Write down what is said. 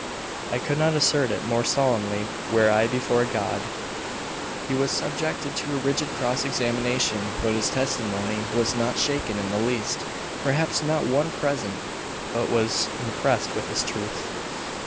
"I could not assert it more solemnly were I before God." He was subjected to a rigid cross examination, but his testimony was not shaken in the least. Perhaps not one present but was impressed with its truth.